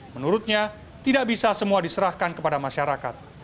menurutnya tidak bisa semua diserahkan kepada masyarakat